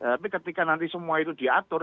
tapi ketika nanti semua itu diatur